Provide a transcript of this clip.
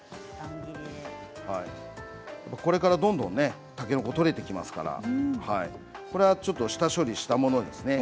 これからどんどんたけのこ、取れてきますからこれはちょっと下処理したものです。